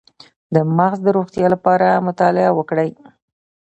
د مغز د روغتیا لپاره مطالعه وکړئ